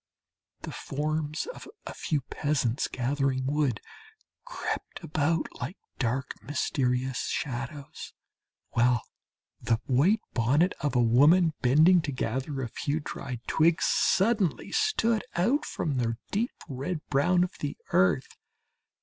The forms of a few peasants gathering wood crept about like dark mysterious shadows, while the white bonnet of a woman bending to gather a few dried twigs suddenly stood out from the deep red brown of the earth.